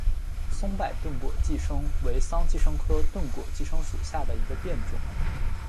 松柏钝果寄生为桑寄生科钝果寄生属下的一个变种。